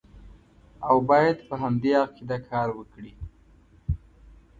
او باید په همدې عقیده کار وکړي.